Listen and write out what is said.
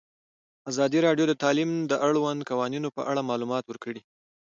ازادي راډیو د تعلیم د اړونده قوانینو په اړه معلومات ورکړي.